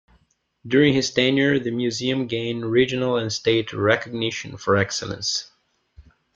During his tenure, the museum gained regional and state recognition for excellence.